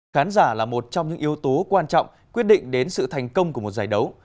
khán giả là một trong những yếu tố quan trọng quyết định đến sự thành công của một giải đấu